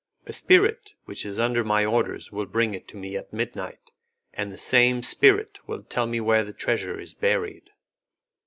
A spirit which is under my orders will bring it to me at midnight, and the same spirit will tell me where the treasure is buried."